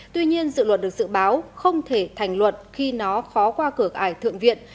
tuy nhiên dự luật được dự báo không thể thành luật khi nó khó qua cửa cải thượng viện